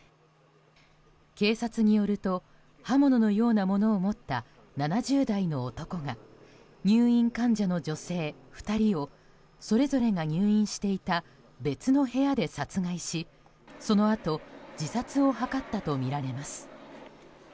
警察によると刃物のようなものを持った７０代の男が入院患者の女性２人をそれぞれが入院していた別の部屋で殺害しそのあと自殺を図ったとみられます。